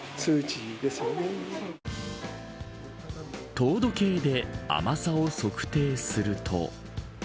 糖度計で甘さを測定すると。